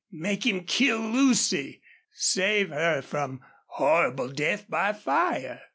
Make 'him kill Lucy! Save her from horrible death by fire!